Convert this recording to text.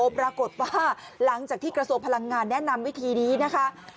ปรากฏว่าหลังจากที่กระทรวงพลังงานแนะนำวิธีนี้นะคะ